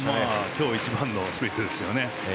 今日一番のスプリットですね。